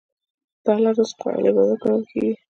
د حلال رزق خوړل عبادت ګڼل کېږي.